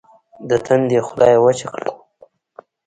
د تندي خوله يې وچه کړه.